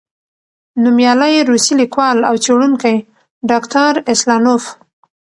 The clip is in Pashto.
نومیالی روسی لیکوال او څېړونکی، ډاکټر اسلانوف،